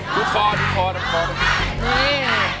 ร้องได้ร้องได้ร้องได้ร้องได้